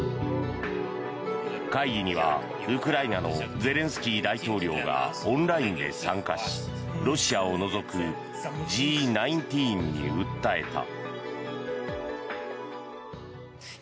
会議には、ウクライナのゼレンスキー大統領がオンラインで参加しロシアを除くＧ１９に訴えた。